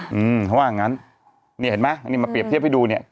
เพราะว่าอย่างนั้นนี่เห็นไหมมีมาเปรียบเทียบให้ดูเนี่ย